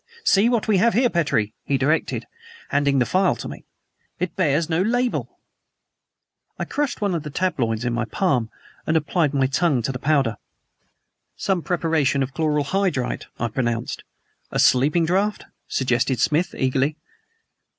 "See what we have here, Petrie!" he directed, handing the phial to me. "It bears no label." I crushed one of the tabloids in my palm and applied my tongue to the powder. "Some preparation of chloral hydrate," I pronounced. "A sleeping draught?" suggested Smith eagerly.